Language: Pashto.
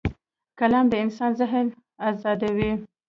قلم د انسان ذهن ازادوي